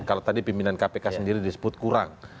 kalau tadi pimpinan kpk sendiri disebut kurang